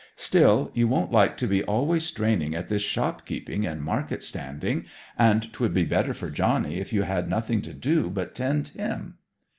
Still, you won't like to be always straining at this shop keeping and market standing; and 'twould be better for Johnny if you had nothing to do but tend him.'